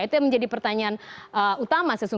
itu yang menjadi pertanyaan utama